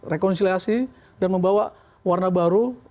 rekonsiliasi dan membawa warna baru